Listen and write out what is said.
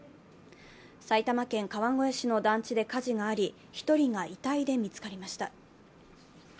埼玉県川越市の団地で火事があり１人が遺体が見つかりました。